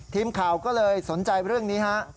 ทีมข่าวก็เลยสนใจเรื่องนี้ฮะ